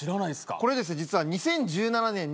これですね実は。